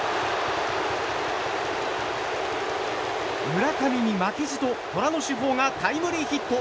村上に負けじと虎の主砲がタイムリーヒット。